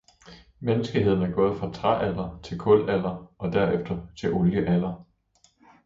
Menneskeheden er gået fra træalder til kulalder og derefter til oliealder.